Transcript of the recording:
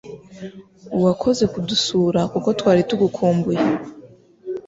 Uwakoze kudusura kuko twari tugukumbuye